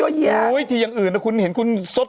โอ้โหที่อย่างอื่นนะคุณเห็นคุณสด